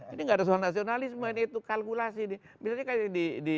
ini gak ada soal nasionalisme ini itu kalkulasi nih